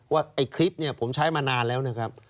ว่าไอ้คลิปเนี่ยผมใช้มานานแล้วนะครับ